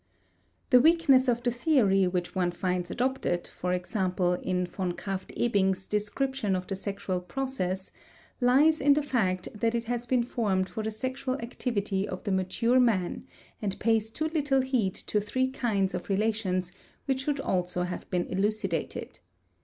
The weakness of the theory which one finds adopted, e.g., in v. Krafft Ebing's description of the sexual process, lies in the fact that it has been formed for the sexual activity of the mature man and pays too little heed to three kinds of relations which should also have been elucidated.